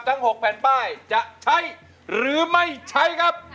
ทั้ง๖แผ่นป้ายจะใช้หรือไม่ใช้ครับ